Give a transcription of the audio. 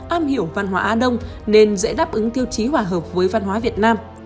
am hiểu văn hóa á đông nên dễ đáp ứng tiêu chí hòa hợp với văn hóa việt nam